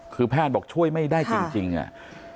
คือแพทย์บอกช่วยไม่ได้จริงอ่ะ